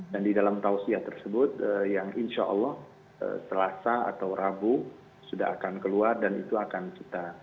dan di dalam tausiah tersebut yang insya allah telasa atau rabu sudah akan keluar dan itu akan kita